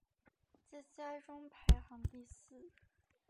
在家中排行第四。